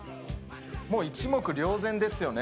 もう一目瞭然ですよね。